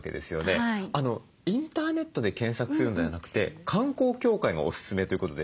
インターネットで検索するのではなくて観光協会がおすすめということでした。